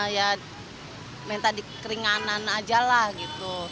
ya minta di keringanan aja lah gitu